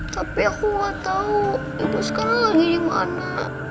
tapi aku gak tau ibu sekarang lagi dimana